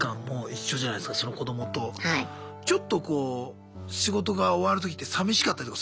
ちょっとこう仕事が終わる時ってさみしかったりとかするんすか？